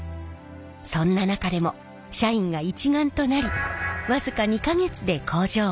そんな中でも社員が一丸となり僅か２か月で工場を再開。